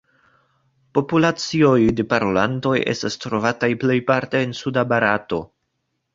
Populacioj de parolantoj estas trovataj plejparte en suda Barato.